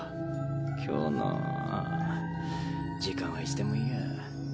今日のああ時間はいつでもいいや。